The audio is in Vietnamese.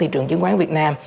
thị trường chứng khoán việt nam